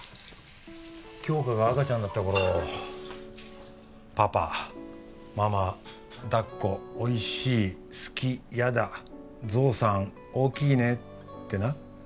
杏花が赤ちゃんだった頃「パパ」「ママ」「だっこ」「おいしい」「好き」「やだ」「ぞうさん大きいね」ってな